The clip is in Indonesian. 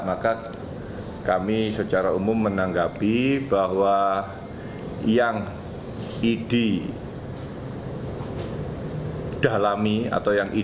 maka kami secara umum menanggapi bahwa yang idi dalam